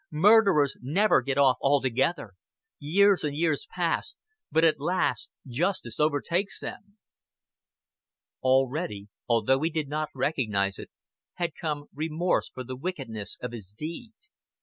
Murderers never get off altogether. Years and years pass; but at last justice overtakes them." Already, although he did not recognize it, had come remorse for the wickedness of his deed.